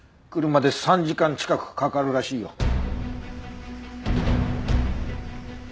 車で３時間近くかかるらしいよ。